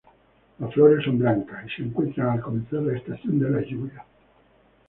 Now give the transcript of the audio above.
Las flores son blancas, y se encuentran al comenzar la estación de las lluvias.